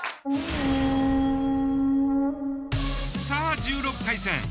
さあ１６回戦。